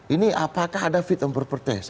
ini apakah ada fit of properties